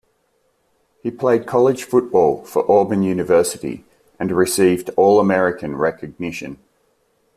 He played college football for Auburn University and received All-American recognition.